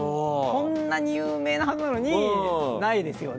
こんなに有名なはずなのにないですよね。